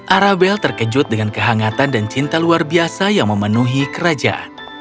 arabel terkejut dengan kehangatan dan cinta luar biasa yang memenuhi kerajaan